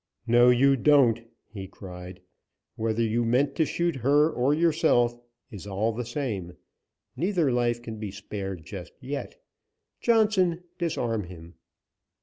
"No you don't," he cried. "Whether you meant to shoot her or yourself, is all the same. Neither life can be spared just yet. Johnson, disarm him."